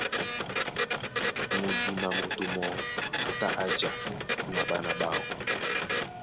Mudun a moto mɔɔ́ a tá a jǎ na ɓána ɓáō.